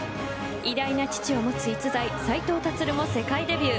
偉大な父を持つ逸材、斉藤立も世界デビュー。